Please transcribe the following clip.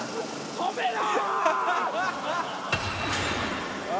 止めろ！